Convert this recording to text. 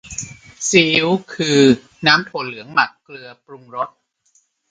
ซีอิ๊ว คือน้ำถั่วเหลืองหมักเกลือปรุงรส